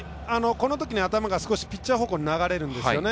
このときに頭が少しピッチャー方向に流れるんですよね。